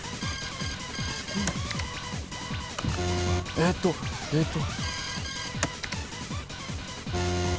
えーっとえーっと。